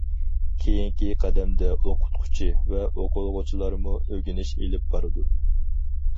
كېيىنكى قەدەمدە، ئوقۇتقۇچى ۋە ئوقۇغۇچىلارمۇ ئۆگىنىش ئېلىپ بارىدۇ.